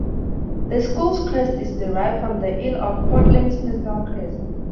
The school's crest is derived from the Earl of Portland's personal crest.